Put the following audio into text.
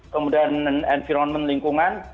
kemudian environment lingkungan